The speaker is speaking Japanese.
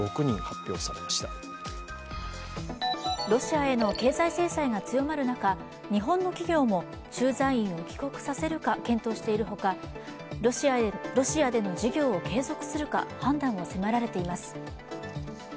ロシアへの経済制裁が強まる中、日本の企業も駐在員を帰国させるか検討しているほかロシアでの事業を継続するか判断を迫られています。